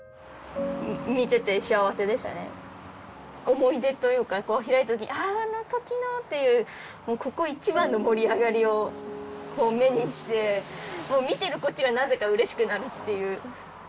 思い出というか開いた時に「ああの時の！」っていうここ一番の盛り上がりを目にして見てるこっちがなぜかうれしくなるっていう。